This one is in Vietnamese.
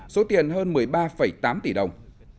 số tiền hơn một mươi ba tám tỷ đồng